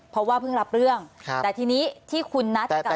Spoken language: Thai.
เพราะว่าเพิ่งรับเรื่องแต่ทีนี้ที่คุณนัทกับ